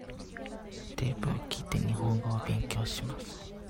テープを聞いて、日本語を勉強します。